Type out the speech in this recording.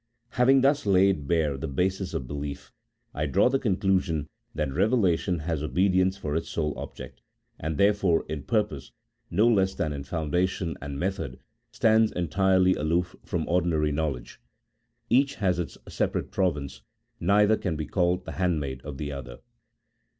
Having thus laid bare the bases of belief, I draw the conclusion that Revelation has obedience for its sole object, and therefore, in purpose no less than in foundation and 10 A THEOLOGICO POLITICAL TREATISE. method, stands entirely aloof from ordinary knowledge; each has its separate province, neither can be called the handmaid of the other.